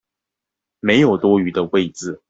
沒有多餘的位子